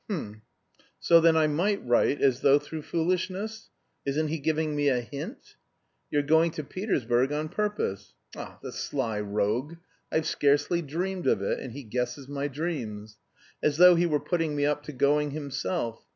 H'm! So then I might write as though through foolishness? Isn't he giving me a hint? 'You're going to Petersburg on purpose.' The sly rogue. I've scarcely dreamed of it, and he guesses my dreams. As though he were putting me up to going himself.